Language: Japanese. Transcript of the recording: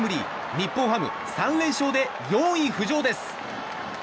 日本ハム、３連勝で４位浮上です。